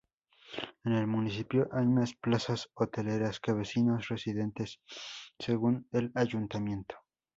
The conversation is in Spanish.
En el municipio hay más plazas hoteleras que vecinos residentes, según el ayuntamiento.